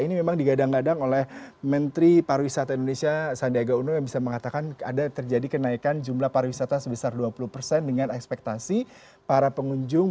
ini memang digadang gadang oleh menteri pariwisata indonesia sandiaga uno yang bisa mengatakan ada terjadi kenaikan jumlah pariwisata sebesar dua puluh persen dengan ekspektasi para pengunjung